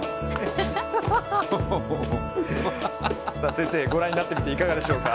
先生、ご覧になってみていかがでしょうか？